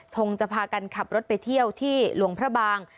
คงจะพากันขับรถไปเที่ยวที่หลวงพระบาง